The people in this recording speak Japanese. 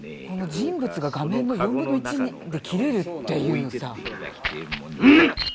人物が画面の４分の１で切れるというのさ。